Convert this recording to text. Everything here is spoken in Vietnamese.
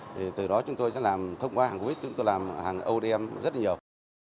thì từ đó chúng tôi sẽ làm thông qua hàng group chúng tôi làm hàng odm rất nhiều